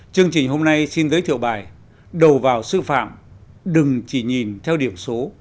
chương trình hôm nay xin giới thiệu bài đầu vào sư phạm đừng chỉ nhìn theo điểm số